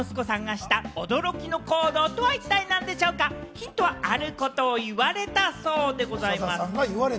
ヒントは、あることを言われたそうでございます。